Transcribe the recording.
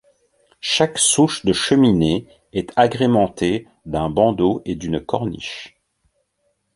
Chaque souche de cheminée est agrémentée d'un bandeau et d'une corniche.